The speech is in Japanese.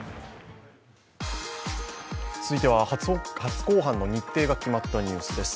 続いては初公判の日程が決まったニュースです。